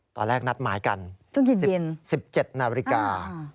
ตอนแรกนัดหมายกันช่วง๑๗นาฬิกา